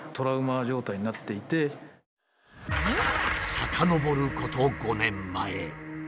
遡ること５年前。